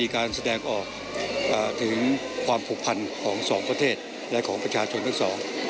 การแสดงออกถึงความผูกพันของสองประเทศและของประชาชนทั้งสอง